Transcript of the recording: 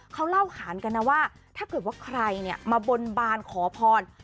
เขาเล่าขานกันนะว่าถ้าเกิดว่าใครเนี่ยมาบนบานขอพร